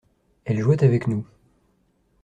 Elle jouait avec nous.